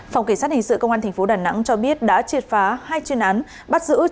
phòng kỳ sát hình sự công an tp đà nẵng cho biết đã triệt phá hai chuyên án bắt giữ